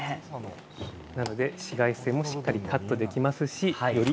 紫外線もしっかりカットできますししより